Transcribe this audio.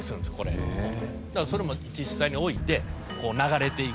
だからそれも実際に置いて流れていく。